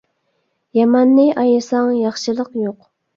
ياماننى ئايىساڭ ياخشىلىق يوق.